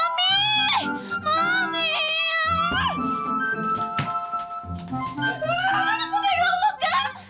aduh ini semua gara gara lo kak